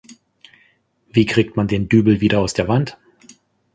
Wie kriegt man den Dübel wieder aus der Wand?